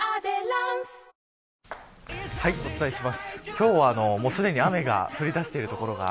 今日はすでに雨が降り出している所が。